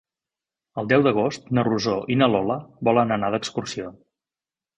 El deu d'agost na Rosó i na Lola volen anar d'excursió.